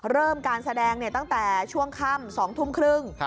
เริ่มการแสดงตั้งแต่ช่วงค่ำ๒ทุ่มครึ่ง